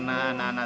saya tidak tahu